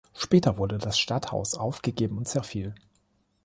Später wurde das Stadthaus aufgegeben und zerfiel.